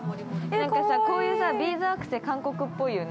◆なんかさ、こういうさビーズアクセ、韓国っぽいよね。